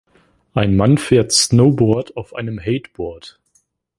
Ein Mann fährt Snowboard auf einem HATE-Board